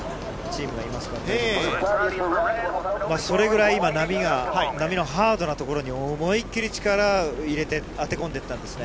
ーそれるい、それぐらい今、波のハードな所に思いっ切り力を入れて、当て込んでいったんですね。